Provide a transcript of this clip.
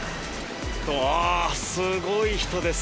すごい人です。